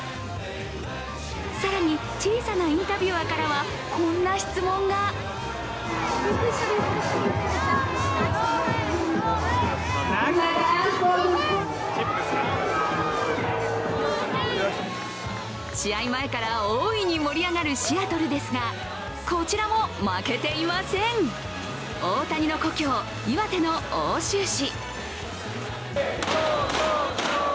更に小さなインタビュアーからはこんな質問が試合前から大いに盛り上がるシアトルですが、こちらも負けていません、大谷の故郷・岩手の奥州市。